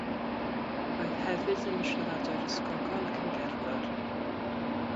Roedd hefyd yn siaradwr ysgogol ac yn gerddor.